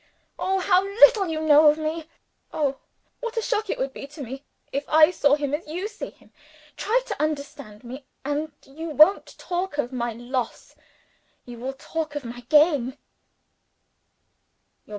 Oh, how little you know of me! Oh, what a shock it would be to me, if I saw him as you see him! Try to understand me, and you won't talk of my loss you will talk of my gain."